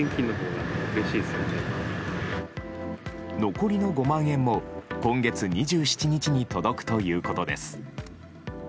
残りの５万円も今月２７日に届くということです。